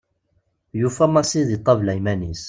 Yufa Massi deg ṭabla iman-is.